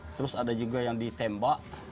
terus ada juga yang ditembak